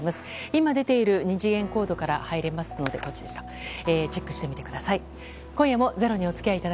今、出ている２次元コードから見れるのでチェックしてみてください。